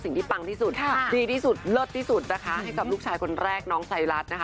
ปังที่สุดดีที่สุดเลิศที่สุดนะคะให้กับลูกชายคนแรกน้องไซรัสนะคะ